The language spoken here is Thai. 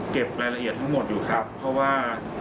เก็บรายละเอียดทั้งหมดอยู่ครับเพราะว่า